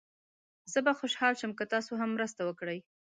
زه به خوشحال شم که تاسو هم مرسته وکړئ.